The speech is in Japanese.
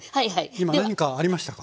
今何かありましたか？